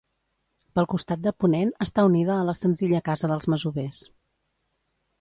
Pel costat de ponent està unida a la senzilla casa dels masovers.